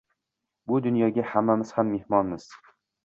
Bu dunyoga hammamiz ham mehmonmiz.